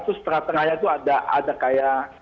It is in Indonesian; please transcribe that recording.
terus setengah tengahnya itu ada kayak